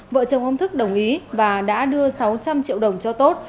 vợ chồng ông thức đồng ý và đã đưa sáu trăm linh triệu đồng cho tốt